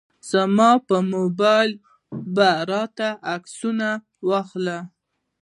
زما په موبایل به راته عکسونه واخلي.